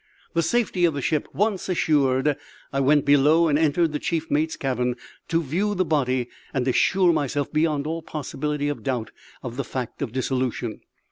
The safety of the ship once assured, I went below and entered the chief mate's cabin, to view the body and assure myself, beyond all possibility of doubt, of the fact of dissolution.